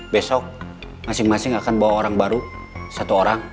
besok masing masing akan bawa orang baru satu orang